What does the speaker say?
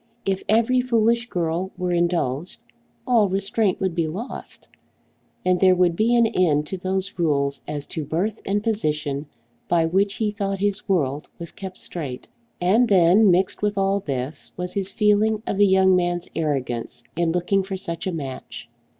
If every foolish girl were indulged, all restraint would be lost, and there would be an end to those rules as to birth and position by which he thought his world was kept straight. And then, mixed with all this, was his feeling of the young man's arrogance in looking for such a match.